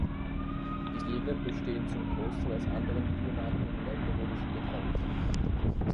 Die Gegner bestehen zum Großteil aus anderen Biermarken und alkoholischen Getränken.